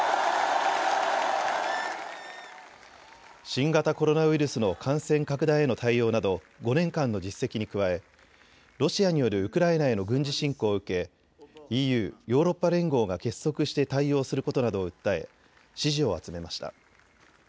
新型コロナウイルスの感染拡大への対応など５年間の実績に加えロシアによるウクライナへの軍事侵攻を受けＥＵ・ヨーロッパ連合が結束して対応することなどを訴え支持を集めました。